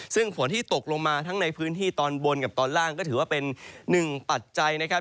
ซึ่งฝนที่ตกลงมาทั้งในพื้นที่ตอนบนกับตอนล่างก็ถือว่าเป็นหนึ่งปัจจัยนะครับ